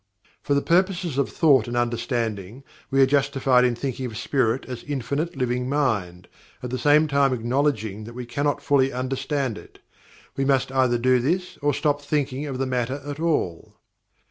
For the purposes of thought and understanding, we are justified in thinking of Spirit as Infinite Living Mind, at the same time acknowledging that we cannot fully understand it. We must either do this or stop thinking of the matter at all.